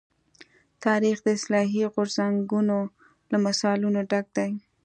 تاریخ د اصلاحي غورځنګونو له مثالونو ډک دی.